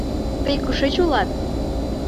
— Тый кушеч улат?